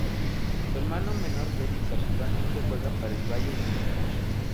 Su hermano menor Felix actualmente juega para el Bayern de Múnich.